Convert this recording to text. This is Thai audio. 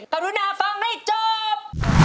การุณาฟังไม่จบ